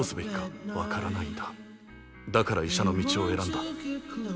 だから医者の道を選んだ。